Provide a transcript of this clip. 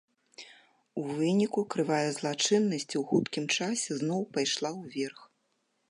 У выніку крывая злачыннасці у хуткім часе зноў пайшла ўверх.